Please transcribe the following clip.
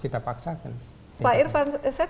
kita paksakan pak irfan saya